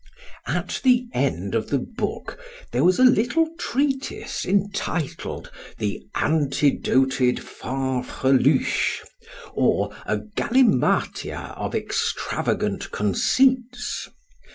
At the end of the book there was a little treatise entitled the Antidoted Fanfreluches, or a Galimatia of extravagant conceits.